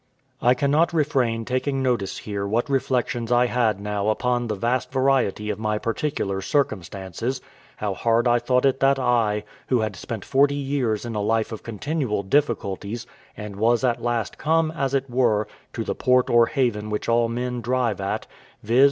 I cannot refrain taking notice here what reflections I now had upon the vast variety of my particular circumstances; how hard I thought it that I, who had spent forty years in a life of continual difficulties, and was at last come, as it were, to the port or haven which all men drive at, viz.